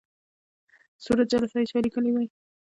صورت جلسه چا لیکلې وي؟